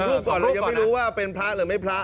ยังไม่รู้ว่าเป็นพระหรือไม่พระ